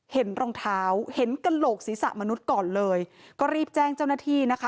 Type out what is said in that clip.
เห็นรองเท้าเห็นกระโหลกศีรษะมนุษย์ก่อนเลยก็รีบแจ้งเจ้าหน้าที่นะคะ